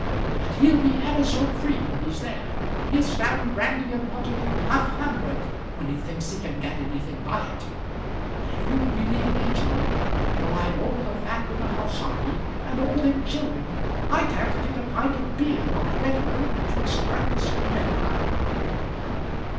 And he'll be ever so free when he's there. He'll stand brandy and water to half Hamworth when he thinks he can get anything by it; but if you'll believe me, John, though I've all the fag of the house on me, and all them children, I can't get a pint of beer not regular betwixt breakfast and bedtime."